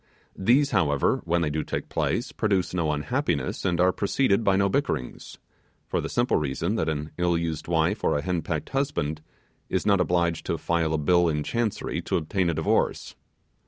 These, however, when they do take place, produce no unhappiness, and are preceded by no bickerings; for the simple reason, that an ill used wife or a henpecked husband is not obliged to file a bill in Chancery to obtain a divorce.